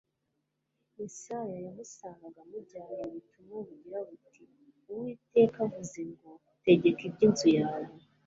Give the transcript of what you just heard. yesaya yamusangaga amujyaniye ubutumwa bugira buti uwiteka avuze ngo 'tegeka iby'inzu yawe